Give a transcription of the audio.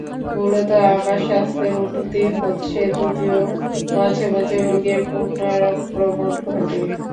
মূলত আমার স্বাস্থ্যের উন্নতি হচ্ছে, যদিও মাঝে মাঝে রোগের পুনরাক্রমণ ঘটে।